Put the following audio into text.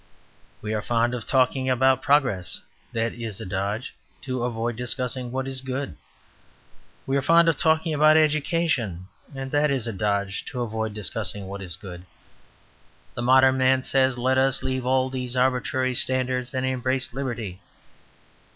We are fond of talking about "progress"; that is a dodge to avoid discussing what is good. We are fond of talking about "education"; that is a dodge to avoid discussing what is good. The modern man says, "Let us leave all these arbitrary standards and embrace liberty."